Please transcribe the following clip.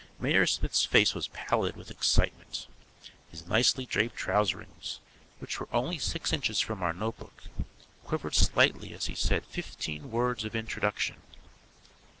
Mayor Smith's face was pallid with excitement. His nicely draped trouserings, which were only six inches from our notebook, quivered slightly as he said fifteen words of introduction.